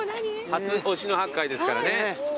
初忍野八海ですからね。